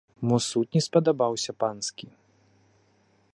Мо суд не спадабаўся панскі?!